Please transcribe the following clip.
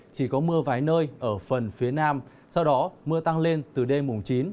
chỉ có mưa vài nơi ở phần phía nam sau đó mưa tăng lên từ đêm mùng chín